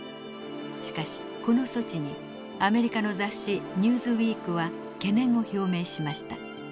しかしこの措置にアメリカの雑誌「ニューズウィーク」は懸念を表明しました。